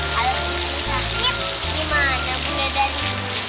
kalo gua sakit gimana bunda dari